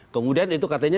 kemudian itu katanya